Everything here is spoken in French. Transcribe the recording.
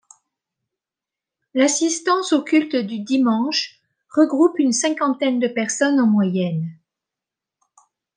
L'assistance au culte du dimanche regroupe une cinquantaine de personnes en moyenne.